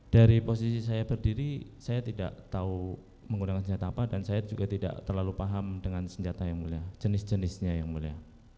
dari posisi saya berdiri saya tidak tahu menggunakan senjata apa dan saya juga tidak terlalu paham dengan senjata yang mulia jenis jenisnya yang mulia